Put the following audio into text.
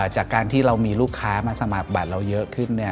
จากการที่เรามีลูกค้ามาสมัครบัตรเราเยอะขึ้น